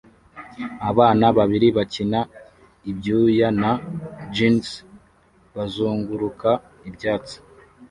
Abana babiri bakina ibyuya na jeans bazunguruka ibyatsi